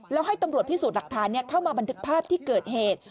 แล้วให้ตำรวจพิสูจน์หลักฐานเข้ามาบันทึกภาพที่เกิดเหตุ